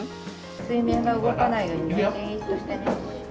水面が動かないようにね、じっとして。